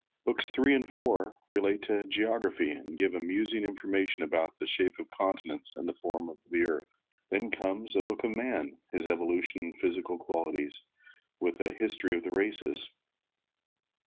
Books Three and Four relate of geography and give amusing information about the shape of the continents and the form of the earth. Then comes a book on man, his evolution and physical qualities, with a history of the races.